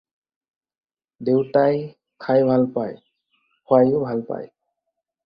দেউতাই খাই ভাল পায়, খুৱায়ো ভাল পায়।